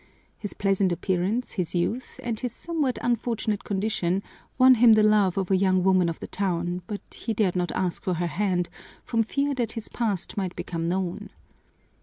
His pleasant appearance, his youth, and his somewhat unfortunate condition won him the love of a young woman of the town, but he dared not ask for her hand from fear that his past might become known.